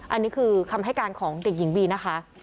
อันนี้คือคำให้การของเด็กหญิงบีนะคะ